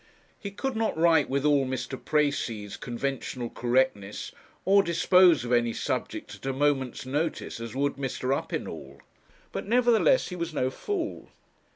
He could not write with all Mr. Precis' conventional correctness, or dispose of any subject at a moment's notice as would Mr. Uppinall; but, nevertheless, he was no fool.